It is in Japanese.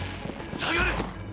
下がれ！